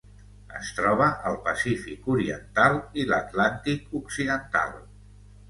Es troba al Pacífic oriental i l'Atlàntic occidental.